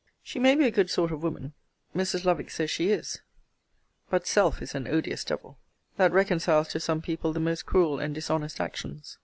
She may be a good sort of woman: Mrs. Lovick says she is: but SELF is an odious devil, that reconciles to some people the most cruel and dishonest actions.